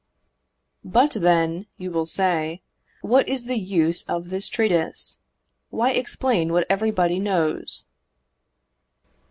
But, then, you will say, "What is the use of this treatise? Why explain what everybody knows?"